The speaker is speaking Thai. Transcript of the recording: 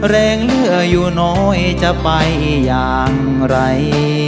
แรงเหลืออยู่น้อยจะไปอย่างไร